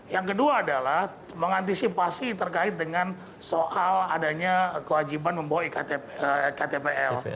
yang kedua adalah mengantisipasi terkait dengan soal adanya kewajiban membawa ktpl